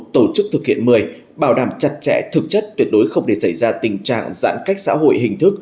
tổ chức thực hiện một mươi bảo đảm chặt chẽ thực chất tuyệt đối không để xảy ra tình trạng giãn cách xã hội hình thức